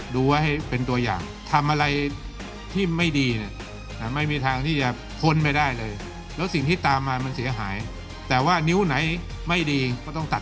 ดูไว้ให้เป็นตัวอย่าง